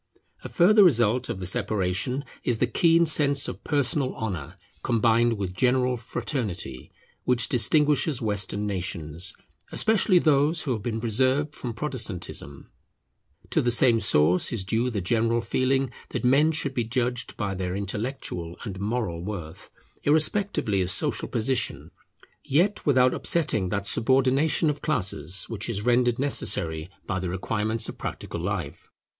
A further result of the separation is the keen sense of personal honour, combined with general fraternity, which distinguishes Western nations, especially those who have been preserved from Protestantism. To the same source is due the general feeling that men should be judged by their intellectual and moral worth, irrespectively of social position, yet without upsetting that subordination of classes which is rendered necessary by the requirements of practical life.